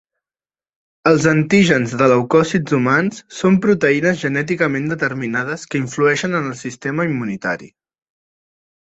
Els antígens de leucòcits humans són proteïnes genèticament determinades que influïxen en el sistema immunitari.